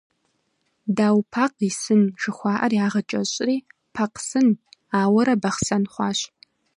«Дау Пакъ и сын» жыхуаӏэр ягъэкӏэщӏри, Пакъсын, ауэрэ Бахъсэн хъуащ.